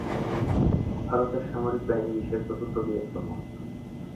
ভারতের সামরিক বাহিনী বিশ্বের চতুর্থ বৃহত্তম।